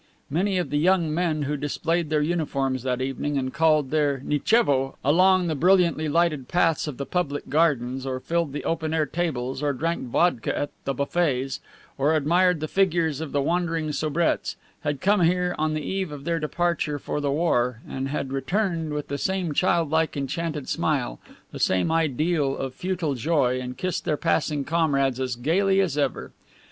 Many of the young men who displayed their uniforms that evening and called their "Nichevo" along the brilliantly lighted paths of the public gardens, or filled the open air tables, or drank vodka at the buffets, or admired the figures of the wandering soubrettes, had come here on the eve of their departure for the war and had returned with the same child like, enchanted smile, the same ideal of futile joy, and kissed their passing comrades as gayly as ever.